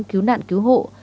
cứu nạn cứu hộ